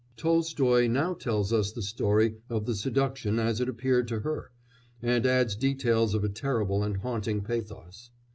Tolstoy now tells us the story of the seduction as it appeared to her, and adds details of a terrible and haunting pathos.